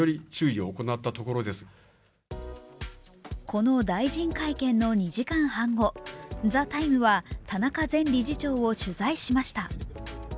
この大臣会見の２時半半後、「ＴＨＥＴＩＭＥ，」は田中前理事長を取材しました。